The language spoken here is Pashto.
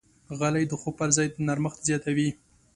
غالۍ د خوب پر ځای نرمښت زیاتوي.